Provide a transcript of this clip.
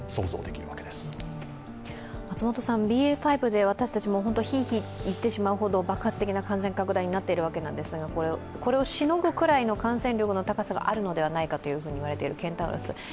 ＢＡ．５で、私たちもひーひー言ってしまうほど爆発的な感染拡大になっているわけなんですが、これをしのぐくらいの感染力の高さがあるのではないかといわれているケンタウロス。